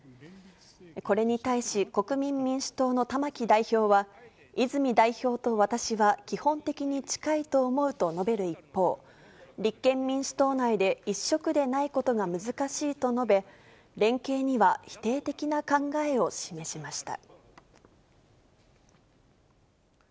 これに対し、国民民主党の玉木代表は、泉代表と私は基本的に近いと思うと述べる一方、立憲民主党内で一色でないことが難しいと述べ、連携には否定的な考えを示しました。